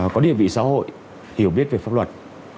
có địa vị xã hội hiểu biết về pháp luật